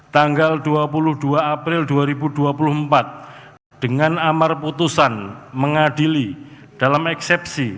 tanggal dua puluh dua april dua ribu dua puluh empat dengan amar putusan mengadili dalam eksepsi